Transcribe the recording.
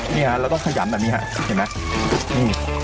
นี่ครับเราต้องขยัมแบบนี้ครับเห็นไหม